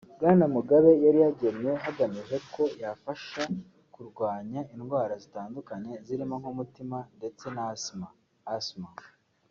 Bwana Mugabe yari yagenwe hagamijwe ko yafasha kurwanya indwara zitandura zirimo nk’umutima ndetse na asima [asthma]